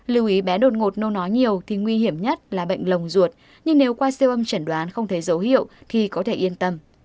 lưu ý bé đột ngột nô nói nhiều thì nguy hiểm nhất là bệnh lồng ruột nhưng nếu qua siêu âm trần đoán không thấy dấu hiệu thì có thể yên tâm